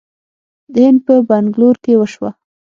د هند په بنګلور کې وشوه